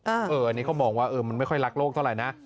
อันนี้เขามองว่ามันไม่ค่อยรักโลกเท่าไหร่นะ